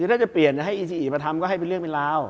คือถ้าจะเปลี่ยนให้อีซีอิมาทำก็ให้เป็นเรื่องเป็นราว